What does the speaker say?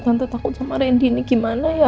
tante takut sama randy ini gimana ya